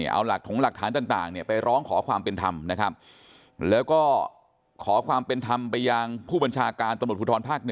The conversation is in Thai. เอาหลักถงหลักฐานต่างไปร้องขอความเป็นธรรมนะครับแล้วก็ขอความเป็นธรรมไปยังผู้บัญชาการตำรวจภูทรภาค๑